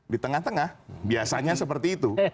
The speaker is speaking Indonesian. di tengah tengah biasanya seperti itu